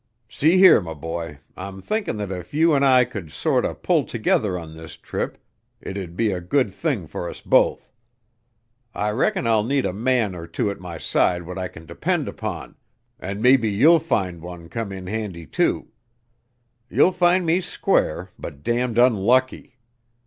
"See here, m' boy, I'm thinkin' that if you and I c'uld sorter pull together on this trip it 'u'd be a good thing fer us both. I reckon I'll need a man or two at my side what I can depend upon, and maybe you'll find one come in handy, too. Ye'll find me square, but damned unlucky.